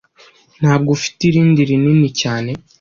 Ntabwo ufite irindi rinini cyane?